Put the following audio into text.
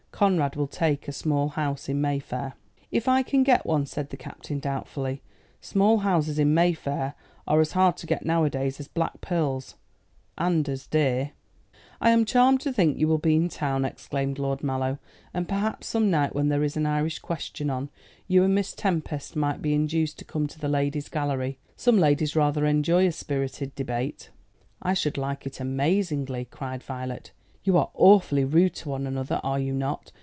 Conrad will take a small house in Mayfair." "If I can get one," said the captain doubtfully. "Small houses in Mayfair are as hard to get nowadays as black pearls and as dear." "I am charmed to think you will be in town," exclaimed Lord Mallow; "and, perhaps, some night when there is an Irish question on, you and Miss Tempest might be induced to come to the Ladies' Gallery. Some ladies rather enjoy a spirited debate." "I should like it amazingly," cried Violet. "You are awfully rude to one another, are you not?